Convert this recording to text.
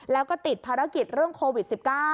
แล้วก็ติดภารกิจเรื่องโควิด๑๙